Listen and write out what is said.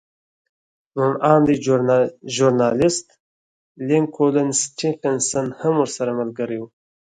روڼ اندی ژورنالېست لینکولن سټېفنس هم ورسره ملګری و